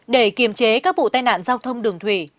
để kiềm chế các vụ tai nạn giao thông đường thủy